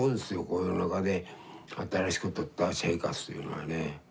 向陽寮の中で新しくとった生活というのはね。